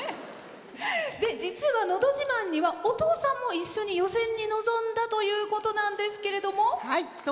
実は、「のど自慢」にはお父さんも一緒に予選に臨んだということなんですけれども。